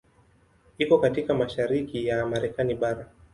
Iko katika mashariki ya Marekani bara.